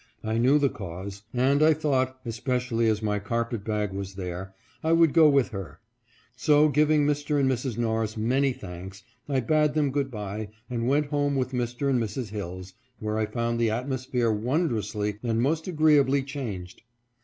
I knew the cause, and I thought, especially as my carpet bag was there, I would go with her. So giving Mr. and Mrs. Norris many thanks, I bade them good bye, and went home with Mr. and Mrs. Hilles, where I found the atmosphere won drously and most agreeably changed.